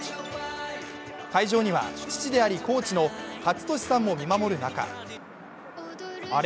会場には父でありコーチの健智さんも見守る中あれ？